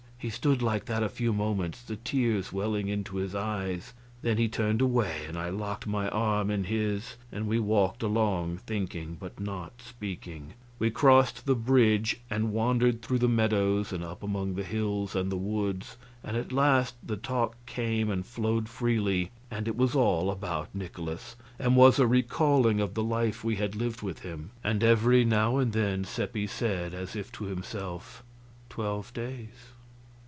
He stood like that a few moments, the tears welling into his eyes, then he turned away and I locked my arm in his and we walked along thinking, but not speaking. We crossed the bridge and wandered through the meadows and up among the hills and the woods, and at last the talk came and flowed freely, and it was all about Nikolaus and was a recalling of the life we had lived with him. And every now and then Seppi said, as if to himself: "Twelve days!